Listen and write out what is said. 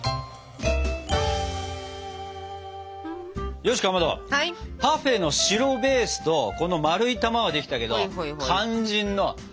よしかまどパフェの白ベースとこの丸い玉はできたけど肝心のここ！